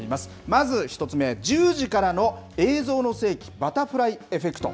まず１つ目、１０時からの映像の世紀バタフライエフェクト。